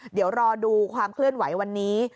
เดี๋ยวรอดูความเคลื่อนไหววันนี้